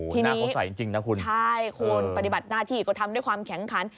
หน้าเขาใสจริงนะคุณใช่คุณปฏิบัติหน้าที่ก็ทำด้วยความแข็งขัน